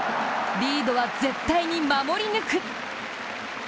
リードは絶対に守り抜く。